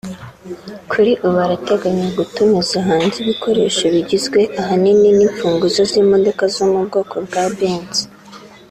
Kuri ubu arateganya gutumiza hanze ibikoresho bigizwe ahanini n’imfunguzo z’imodoka zo mu bwoko bwa Benz